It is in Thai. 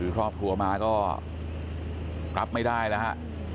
พอหัวมาก็กลับไม่ได้แล้วฮะ